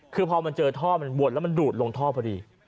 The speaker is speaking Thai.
คือพอมันเจอท่อมันบวนแล้วมันดูดลงท่อพอดี